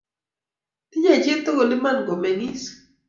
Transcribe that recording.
Tinyei chi tugul iman kumen'gis